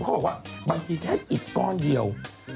เขาบอกว่าบางทีแค่อีกก้อนเดียว